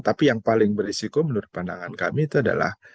tapi yang paling berisiko menurut pandangan kami itu adalah